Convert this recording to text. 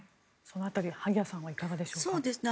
その辺り萩谷さんはいかがでしょうか。